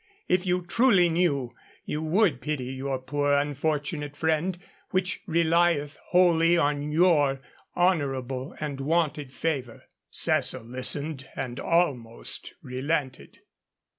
If you truly knew, you would pity your poor unfortunate friend, which relieth wholly on your honourable and wonted favour.' Cecil listened, and almost relented.